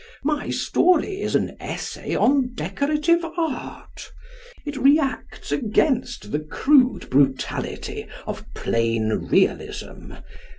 My story is an essay on decorative art. It re acts against the crude brutality of plain realism.